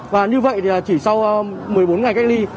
và như vậy thì chỉ sau một mươi bốn ngày cách ly